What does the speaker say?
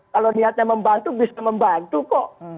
kalau niatnya membantu bisa membantu kok